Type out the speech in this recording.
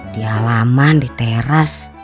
di halaman di teras